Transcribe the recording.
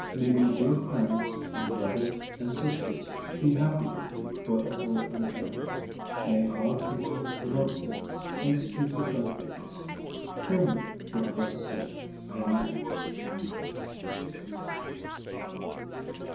May my dear parents, and brothers, and sisters, Be happy with Thee for ever and ever. May all people love Thee, And speak of thy goodness. Hear me for Christ's sake. Amen.